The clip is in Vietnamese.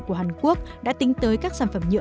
của hàn quốc đã tính tới các sản phẩm nhựa